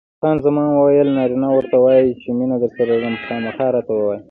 خان زمان وویل: نارینه ورته وایي چې مینه درسره لرم؟ خامخا راته ووایه.